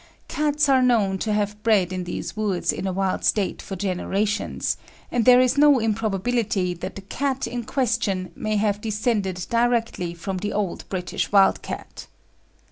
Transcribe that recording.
Cats are known to have bred in these woods in a wild state for generations, and there is no improbability that the cat in question may have descended directly from the old British wild cat.